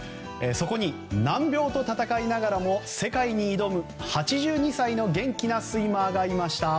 そこに難病と闘いながらも世界に挑む８２歳の元気なスイマーがいました。